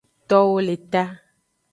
Towo le ta.